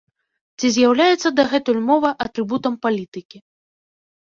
Ці з'яўляецца дагэтуль мова атрыбутам палітыкі?